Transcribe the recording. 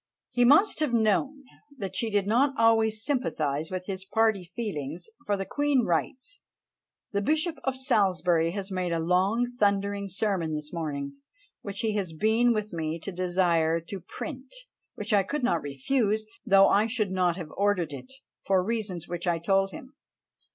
He must have known that she did not always sympathise with his party feelings: for the queen writes, "The Bishop of Salisbury has made a long thundering sermon this morning, which he has been with me to desire to print; which I could not refuse, though I should not have ordered it, for reasons which I told him."